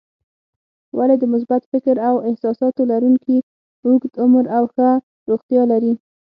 ولې د مثبت فکر او احساساتو لرونکي اوږد عمر او ښه روغتیا لري؟